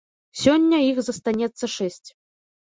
Сёння іх застанецца шэсць.